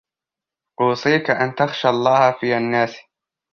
أُوصِيك أَنْ تَخْشَى اللَّهَ فِي النَّاسِ